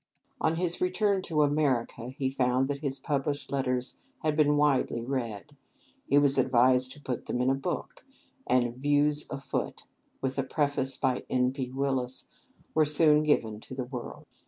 On his return to America he found that his published letters had been widely read. He was advised to put them in a book; and "Views Afoot," with a preface by N. P. Willis, were soon given to the world.